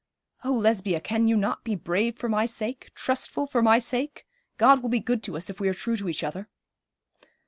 'Oh, Lesbia, can you not be brave for my sake trustful for my sake? God will be good to us if we are true to each other.'